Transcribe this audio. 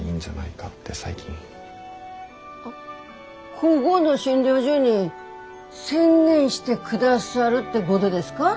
こごの診療所に専念してくださるってごどですか？